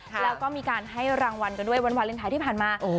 แล้วก็มีการให้รางวัลกันด้วยวันวาเลนไทยที่ผ่านมา